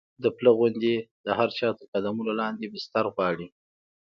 د پله غوندې د هر چا تر قدمونو لاندې بستر غواړي.